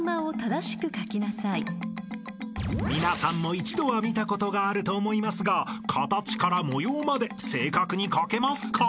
［皆さんも一度は見たことがあると思いますが形から模様まで正確に描けますか？］